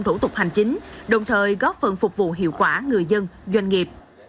thủ tục hành chính đồng thời góp phần phục vụ hiệu quả người dân doanh nghiệp